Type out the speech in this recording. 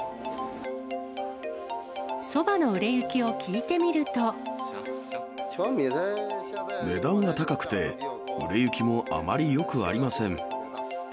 そばの売れ行きを聞いてみる値段が高くて、売れ行きもあまりよくありません。